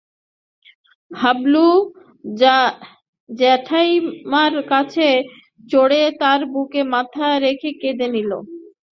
হাবলু জ্যাঠাইমার কোলে চড়ে তার বুকে মাথা রেখে কেঁদে নিলে।